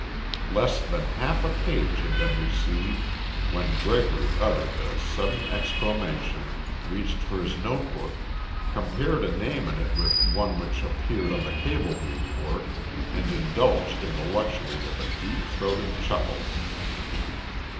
Less than half a page had been received when Gregory uttered a sudden exclamation, reached for his notebook, compared a name in it with one which appeared on the cabled report, and indulged in the luxury of a deep throated chuckle.